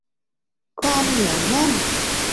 ความเหนียวแน่น